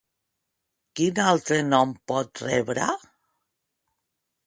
Quin altre nom pot rebre?